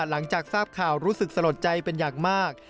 หลังจากทราบข่าวรู้สึกสลดใจเป็นอย่างมาก